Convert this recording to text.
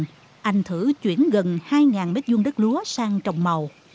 trong năm hai nghìn một mươi bảy anh thử chuyển gần hai mét vuông đất lúa sang trồng màu